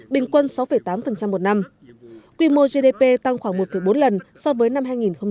bình quân sáu tám một năm quy mô gdp tăng khoảng một bốn lần so với năm hai nghìn một mươi